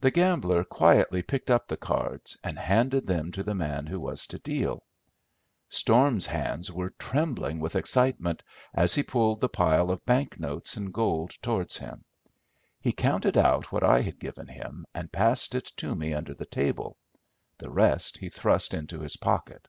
The gambler quietly picked up the cards, and handed them to the man who was to deal. Storm's hands were trembling with excitement as he pulled the pile of bank notes and gold towards him. He counted out what I had given him, and passed it to me under the table. The rest he thrust into his pocket.